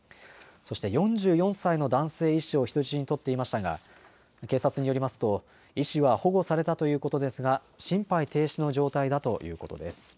そして４４歳の男性医師を人質に取っていましたが、警察によりますと、医師は保護されたということですが、心肺停止の状態だということです。